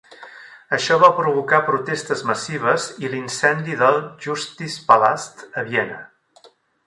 Això va provocar protestes massives i l'incendi del "Justizpalast" a Viena.